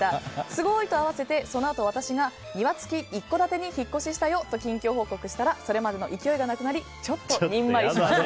すごいと合わせてそのあと私が庭付き１戸建てに引っ越ししたよと近況報告したらそれまでの勢いがなくなりちょっとにんまりしました。